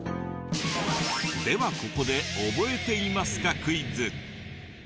ではここで覚えていますかクイズ。